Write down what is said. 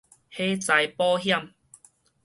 火災保險